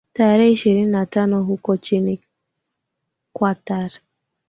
tarehe ishirini na tano huku chini qatar